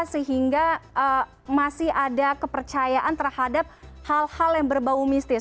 sehingga masih ada kepercayaan terhadap hal hal yang berbau mistis